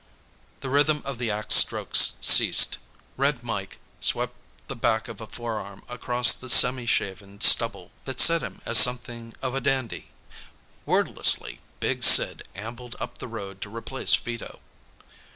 The rhythm of the axe strokes ceased. Red Mike swept the back of a forearm across the semi shaven stubble that set him as something of a dandy. Wordlessly, big Sid ambled up the road to replace Vito.